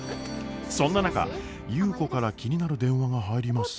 そんな中優子から気になる電話が入ります。